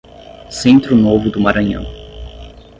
Centro Novo do Maranhão